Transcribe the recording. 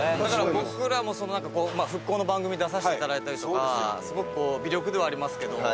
僕らも、復興の番組に出させていただいたりとかすごく、微力ではありますけど。